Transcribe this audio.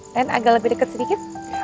dan agak lebih deket sedikit